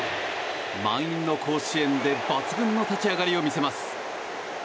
満員の甲子園で抜群の立ち上がりを見せます。